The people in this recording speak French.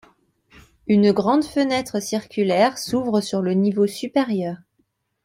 Une grande fenêtre circulaire s'ouvre sur le niveau supérieur.